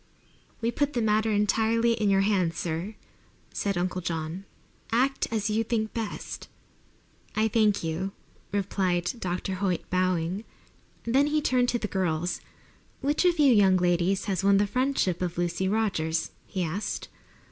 "We put the matter entirely in your hands, sir," said Uncle John. "Act as you think best." "I thank you," replied Dr. Hoyt, bowing. Then he turned to the girls. "Which of you young ladies has won the friendship of Lucy Rogers?" he asked.